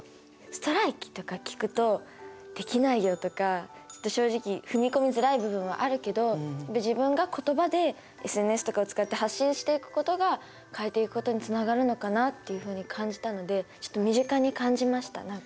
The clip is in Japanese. ストライキとか聞くと「できないよ」とかちょっと正直踏み込みづらい部分はあるけど自分が言葉でＳＮＳとかを使って発信していくことが変えていくことにつながるのかなっていうふうに感じたのでちょっと身近に感じました何か。